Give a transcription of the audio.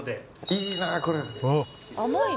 いいな、これ。